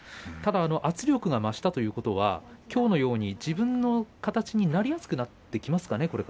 ただ圧力が増したということはきょうのように自分の形になりやすくなってできたんですかね。